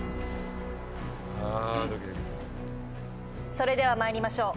それでは参りましょう。